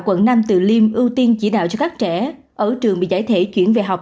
quận năm từ liêm ưu tiên chỉ đạo cho các trẻ ở trường bị giải thể chuyển về học